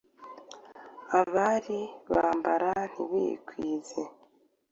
Abari bambara ntibikwize.